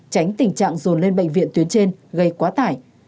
tránh tình trạng dồn lên bệnh viện tuyến trên gây quá tải